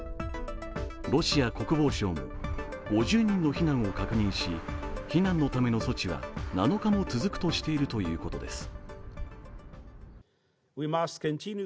ロシア国防省も、５０人の避難を確認し避難のための措置は７日も続くとしているということです。